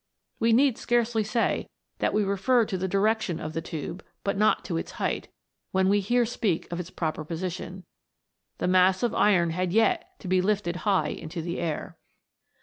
We need scarcely say, that we refer to the direction of the tube, but not to its height, when we here speak of its proper position. The mass of iron had yet to be lifted high into the air.